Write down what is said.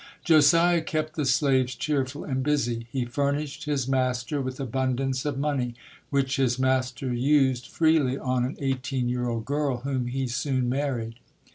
Josiah kept the slaves cheerful and busy. He furnished his master with abundance of money, which his master used freely on an eighteen year old girl whom he soon married.